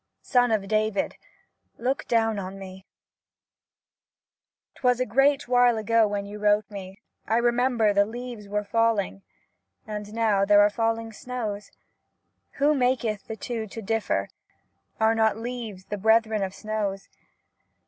'Son of David,' look down on me ! 'Twas a great while ago when you wrote me, I remember the leaves were falling — and now there are falling snows ; who maketh the two to differ — are not leaves the brethren of snows?